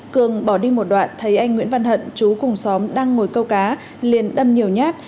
cường bỏ đi một đoạn thấy anh nguyễn văn hận chú cùng xóm đang ngồi câu cá liền đâm nhiều nhát